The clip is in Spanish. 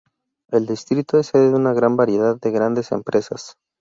El distrito es sede de una gran variedad de grandes empresas.